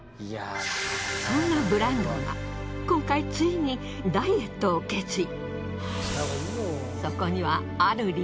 そんなブランドンが今回ついにダイエットを決意。